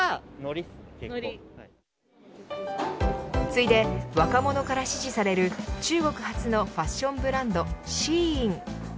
次いで若者から支持される中国発のファッションブランドＳＨＥＩＮ。